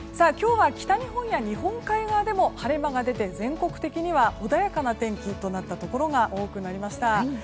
今日は北日本や日本海側も晴れ間が出て全国的には穏やかな天気となったところが多くなりました。